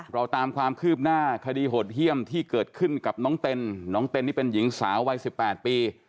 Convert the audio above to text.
เราตามความคืบหน้าคดีโหดเยี่ยมที่เกิดขึ้นกับน้องเต็นน้องเต้นนี่เป็นหญิงสาววัย๑๘ปี